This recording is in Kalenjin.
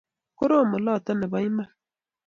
korom oloto nebo iman